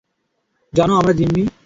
জানো, আমরা জিম্মি?